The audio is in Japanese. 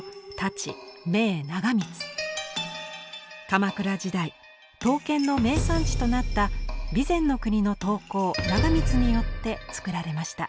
鎌倉時代刀剣の名産地となった備前国の刀工長光によって作られました。